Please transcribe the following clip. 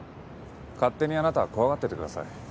勝手にあなたは怖がっててください。